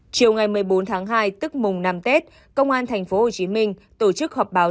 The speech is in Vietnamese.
chiều ngày một mươi bốn tháng hai tức mùng năm tết công an tp hcm tổ chức họp báo